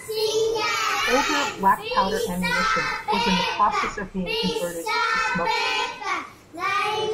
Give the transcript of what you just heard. Older black-powder ammunition was in the process of being converted to smokeless.